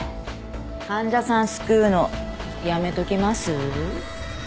患者さん救うのやめときます？